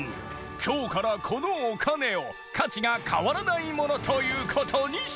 今日からこのお金を価値が変わらないものということにします。